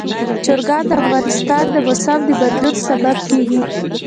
چرګان د افغانستان د موسم د بدلون سبب کېږي.